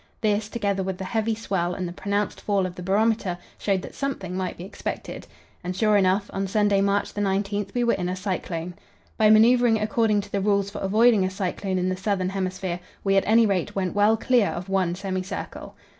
This, together with the heavy swell and the pronounced fall of the barometer, showed that something might be expected. And, sure enough, on Sunday, March 19, we were in a cyclone. By manoeuvring according to the rules for avoiding a cyclone in the southern hemisphere, we at any rate went well clear of one semicircle.